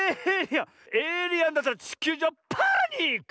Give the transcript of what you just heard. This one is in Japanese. エイリアンだったらちきゅうじょうはパニック！